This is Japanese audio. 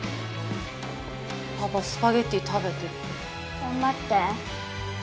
パパスパゲティ食べてって。頑張って。